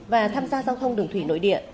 và tham gia giao thông đường thủy nội địa